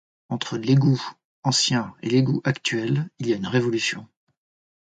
Entre l’égout ancien et l’égout actuel, il y a une révolution.